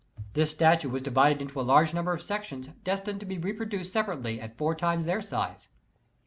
This statue was divided into a large number of sections destined to be reproduced sepa rately at four times their size.